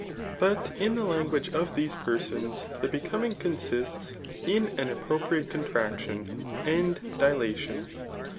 But in the language of these persons, the becoming consists in an appropriate contnc tion and dilatation.